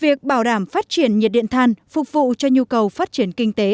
việc bảo đảm phát triển nhiệt điện than phục vụ cho nhu cầu phát triển kinh tế